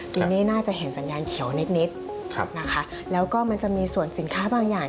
ปีนี้น่าจะเห็นสัญญาณเขียวนิดนะคะแล้วก็มันจะมีส่วนสินค้าบางอย่าง